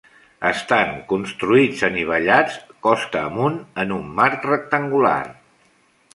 Estan construïts anivellats costa amunt en un marc rectangular.